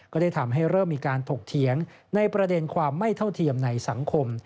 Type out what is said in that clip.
ก็ได้ทำให้เริ่มมีการถกเถียงในประเด็นความไม่เท่าเทียมในสังคม